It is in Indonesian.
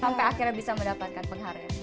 sampai akhirnya bisa mendapatkan penghargaan